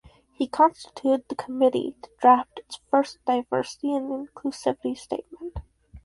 He constituted the committee to draft its first Diversity and Inclusivity Statement.